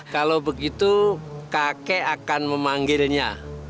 kalau begitu kakek akan memanggilnya